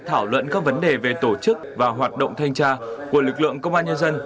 thảo luận các vấn đề về tổ chức và hoạt động thanh tra của lực lượng công an nhân dân